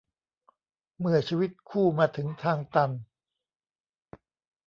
เมื่อชีวิตคู่มาถึงทางตัน